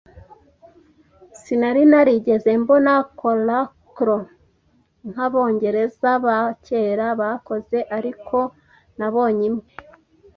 Sinari narigeze mbona coracle, nk'Abongereza ba kera bakoze, ariko nabonye imwe